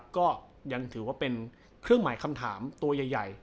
ก็ยังถือว่าเป็นเครื่องหมายคำถามตัวใหญ่